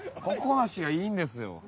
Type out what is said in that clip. ここな氏がいいんですよ。